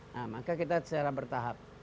nah maka kita secara bertahap